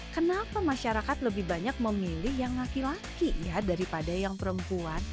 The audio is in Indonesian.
kenapa masyarakat lebih banyak memilih yang laki laki ya daripada yang perempuan